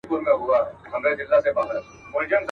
د چڼچڼيو او د زرکو پرځای.